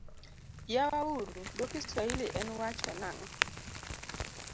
Yawa uru dho Kiswahili en wacho nang'o?